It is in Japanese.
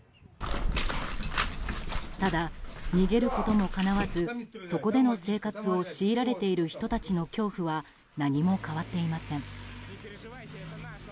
ただ、逃げることもかなわずそこでの生活を強いられている人たちの恐怖は何も変わっていません。